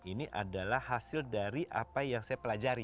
ini adalah hasil dari apa yang saya pelajari